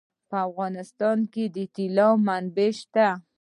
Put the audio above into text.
په افغانستان کې د طلا منابع شته.